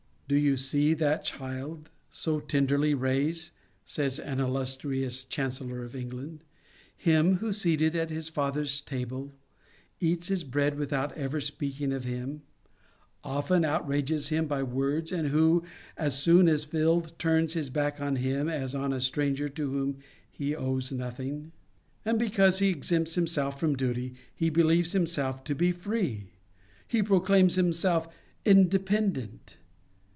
" Do you see that child, so tenderly raised," says an illustrious Chancellor of England, "him, who, seated at his father s table, eats his bread without ever speaking of him; often outrages him by words, and who, as soon as filled, turns his back on him as on a stranger to whom he owes nothing."* And because he exempts himself from duty, he believes himself to be free! He proclaims himself independent!